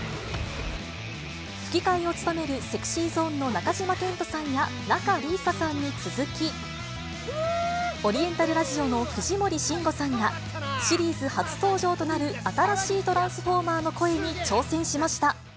吹き替えを務めるＳｅｘｙＺｏｎｅの中島健人さんや、仲里依紗さんに続き、オリエンタルラジオの藤森慎吾さんが、シリーズ初登場となる、新しいトランスフォーマーの声に挑戦しました。